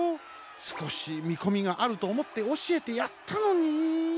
すこしみこみがあるとおもっておしえてやったのに。